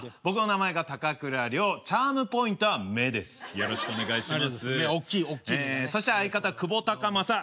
よろしくお願いします。